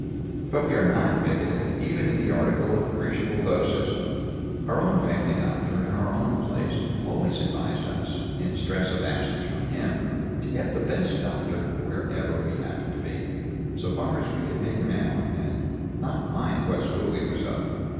"But we are not bigoted, even in the article of appreciable doses. Our own family doctor in our old place always advised us, in stress of absence from him, to get the best doctor wherever we happened to be, so far as we could make him out, and not mind what school he was of.